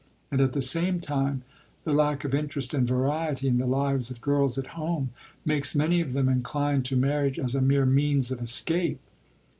And at the same time the lack of interest and variety in the lives of girls at home makes many of them inclined to marriage as a mere means of escape.